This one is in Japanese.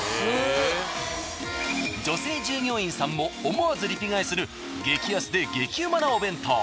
女性従業員さんも思わずリピ買いする激安で激ウマなお弁当。